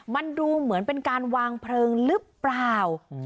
มันดูเหมือนเป็นการวางเพลิงหรือเปล่า